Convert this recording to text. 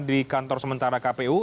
di kantor sementara kpu